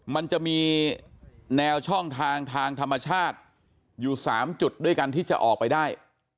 มันจะมีแนวช่องทางทางธรรมชาติอยู่๓จุดด้วยกันที่จะออกไปได้